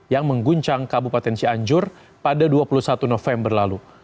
yang mengguncang kabupaten cianjur pada dua puluh satu november lalu